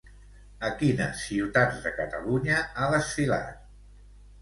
A quines ciutats de Catalunya ha desfilat?